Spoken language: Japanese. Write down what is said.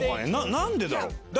何でだろう？